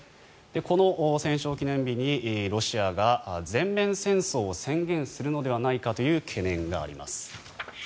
この戦勝記念日に、ロシアが全面戦争を宣言するのではないかという懸念があります。